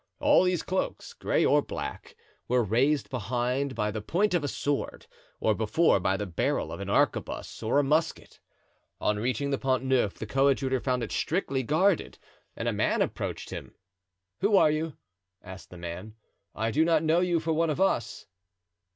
All these cloaks, gray or black, were raised behind by the point of a sword, or before by the barrel of an arquebuse or a musket. On reaching the Pont Neuf the coadjutor found it strictly guarded and a man approached him. "Who are you?" asked the man. "I do not know you for one of us."